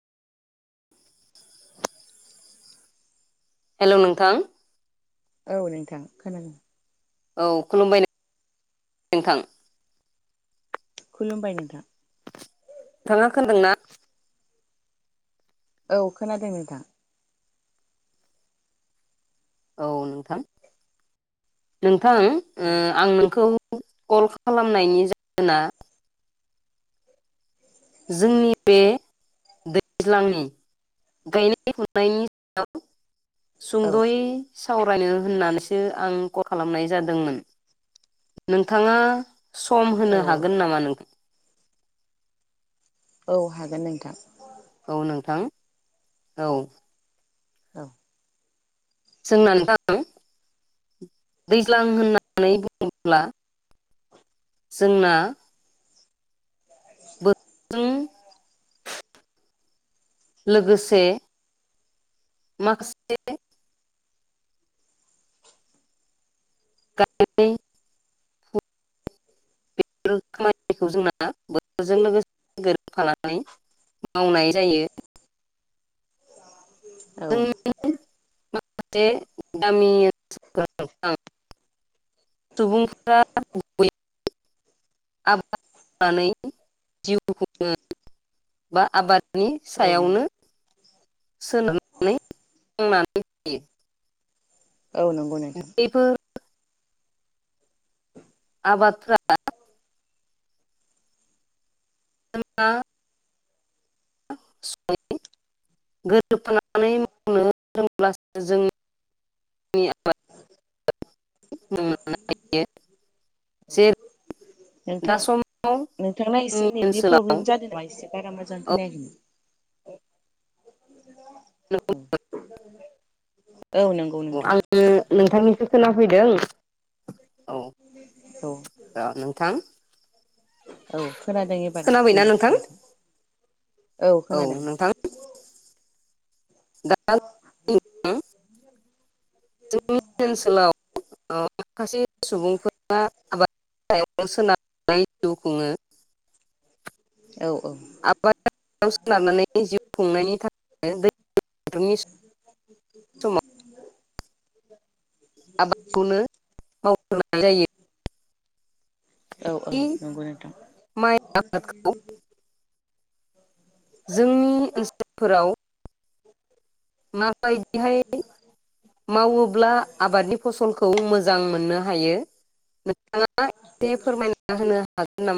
[inaudible] Hello नोंथां। औ नोंथां खोनादों। औ खुलुमबाय नोंथां। खुलुमबाय नोंथां। नोंथाङा खोनदों ना? औ खोनादों नोंथां। औ नोंथां नोंथां आं नोंखौ कल खालामनायनि जाहोना जोंनि बे दैज्लांनि गायनाय फुनायनि सायाव औ सुंद'यै। सावरायनो होननानैसो आं कल खालामनाय जादोंमोन नोंथाङा सम औ होनो हागोन नामा नों? औ हागोन नोंथां। औ नोंथां औ। औ। जोंनानै [inaudible] दैज्लां होननानै बुङोब्ला [unintelligible] जोंना [unintelligible] उम लोगोसे माखासे गामिनि बेफोर खामानिखौ जोंना बोथोरजों लोगोसे गोरोबफानानै मावनाय जायो। औ। उम माखासे गामि ओनसोलाव सुबुंफोरा [inaudible] आबाद मावनानै जिउ खुङो बा आबाद नि औ नौ सायावनो सोनारनानै थांनानै थायो। औ नं बयबो आबादफोरा अमबा [inaudible] गोरोबानानै मावनो रोंब्लासो जों जे नोंथां दा समाव नोंथांना एसे जोंनि नेटनि ओनसोलाव प्रब्लेम जादोंना एसे। बारा मोजां औ खोनायाखै। औ नोंग अ आङो नोंथांनिखो खोनाफैदों औ औ अ नोंथां औ खोनादों एबार बुंदो नोंथां औ खोनादों। दा [inaudible] जोंनि ओनसोलाव अ माखासे सुबुंफोरा आबाद सायावनो सोनार [unintelligible] जिउ खुङो। औ औ आबादाव सोनारनानै जिउ खुंनायनि थाखाय दै [unintelligible] समाव आबादखौनो मावनाय जायो औ औ बे नंगौ नोंथां। माइ आबादखौ जोंनि ओनसोल फोराव माबायदिहाय मावोब्ला आबादनि फसलखौ मोजां मोननो हायो नोंथाङा एसे फोरमायना होनो हागोन नामा?